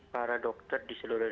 maka ini diperlukan kolaborasi